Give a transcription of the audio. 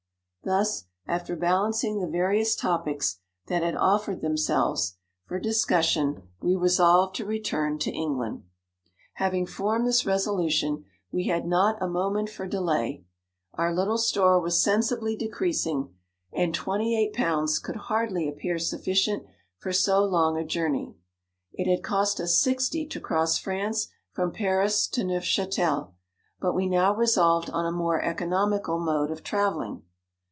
Thus, after balancing the va rious topics that offered themselves for 54 discussion, we resolved to return to England. Having formed this resolution, we had not a moment for delay : our little store was sensibly decreasing, and £2$. could hardly appear sufficient for so long a journey. It had cost us sixty to cross France from Paris to Neuf chatel ; but we now resolved on a more economical mode of travelling.